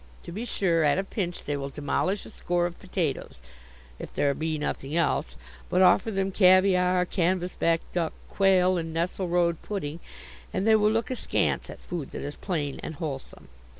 To be sure, at a pinch, they will demolish a score of potatoes, if there be nothing else; but offer them caviare, canvas back duck, quail, and nesselrode pudding, and they will look askance at food that is plain and wholesome.